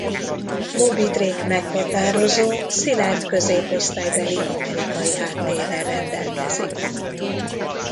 Bobby Drake meghatározó szilárd középosztálybeli amerikai háttérrel rendelkezik.